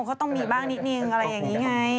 เขาต้องมีบ้างนิดนึงอะไรอย่างนี้ไง